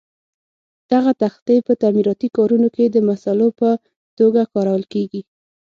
دغه تختې په تعمیراتي کارونو کې د مسالو په توګه کارول کېږي.